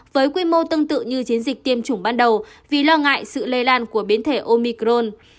với quy mô tương tự như chiến dịch tiêm chủng ban đầu vì lo ngại sự lây lan của biến thể omicron